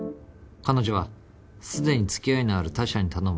彼女はすでに付き合いのある他社に頼む。